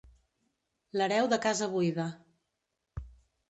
L'hereu de casa buida.